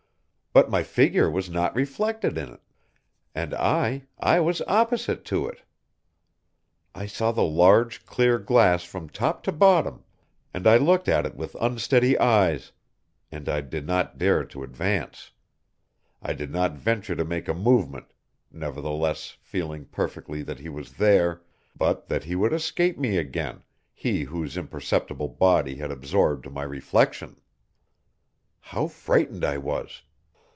But my figure was not reflected in it ... and I, I was opposite to it! I saw the large, clear glass from top to bottom, and I looked at it with unsteady eyes; and I did not dare to advance; I did not venture to make a movement, nevertheless, feeling perfectly that he was there, but that he would escape me again, he whose imperceptible body had absorbed my reflection. How frightened I was!